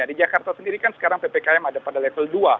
di jakarta sendiri kan sekarang ppkm ada pada level dua